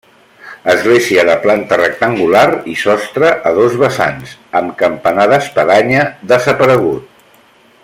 Església de planta rectangular i sostre a dos vessants, amb campanar d'espadanya desaparegut.